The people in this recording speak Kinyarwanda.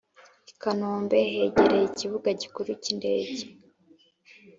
Ikinombe hegereye ikibuga gikuru cy’indege